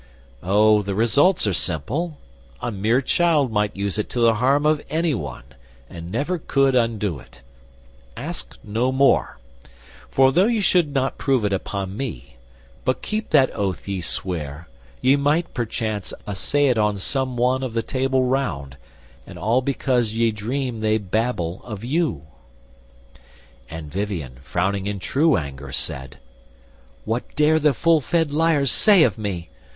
O, the results are simple; a mere child Might use it to the harm of anyone, And never could undo it: ask no more: For though you should not prove it upon me, But keep that oath ye sware, ye might, perchance, Assay it on some one of the Table Round, And all because ye dream they babble of you." And Vivien, frowning in true anger, said: "What dare the full fed liars say of me?